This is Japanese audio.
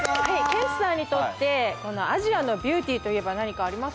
ケンチさんにとってこのアジアのビューティーといえば何かあります？